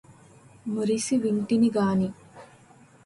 మురిసి వింటినిగాని